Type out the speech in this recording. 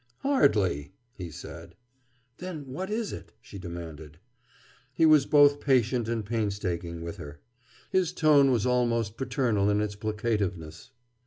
"Hardly," he said. "Then what is it?" she demanded. He was both patient and painstaking with her. His tone was almost paternal in its placativeness.